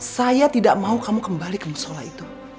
saya tidak mau kamu kembali ke musola itu